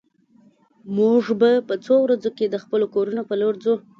موږ به په څو ورځو کې د خپلو کورونو په لور ځو